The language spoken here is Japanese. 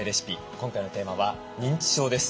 今回のテーマは「認知症」です。